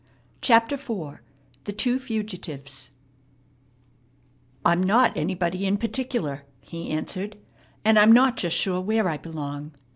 CHAPTER IV THE TWO FUGITIVES "I'm not anybody in particular," he answered, "and I'm not just sure where I belong.